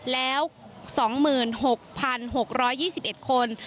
แล้ว๒๖๖๒๑คน